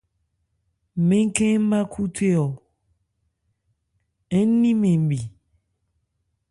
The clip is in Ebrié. Mɛ́n khɛ́n ń ma khúthé-ɔn ń ni mɛn mi.